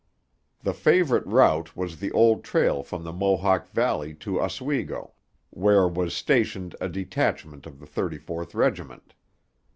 The favourite route was the old trail from the Mohawk valley to Oswego, where was stationed a detachment of the 34th regiment.